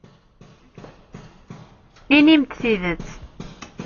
Inim-d tidet.